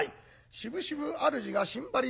しぶしぶ主がしんばり